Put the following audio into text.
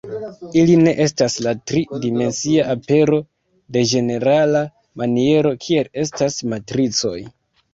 Ili ne estas la tri dimensia apero de ĝenerala maniero, kiel estas matricoj.